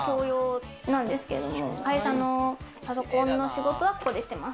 会社のパソコンの仕事は、ここでしてます。